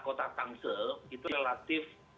kota tangsel itu relatif